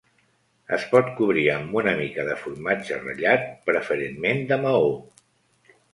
Es pot cobrir amb una mica de formatge ratllat, preferentment de Maó.